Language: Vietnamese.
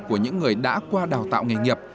của những người đã qua đào tạo nghề nghiệp